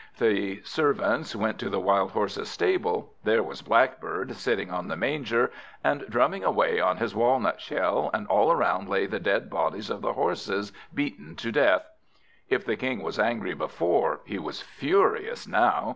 The servants went to the wild Horses' stable. There was Blackbird, sitting on the manger, and drumming away on his walnut shell; and all round lay the dead bodies of the Horses, beaten to death. If the King was angry before, he was furious now.